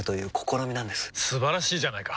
素晴らしいじゃないか！